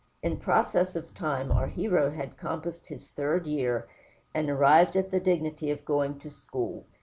In process of time our hero had compassed his third year and arrived at the dignity of going to school.